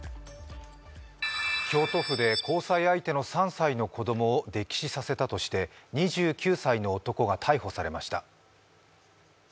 京都府で交際相手の３歳の子供を溺死させたとして２９歳の男が逮捕されました。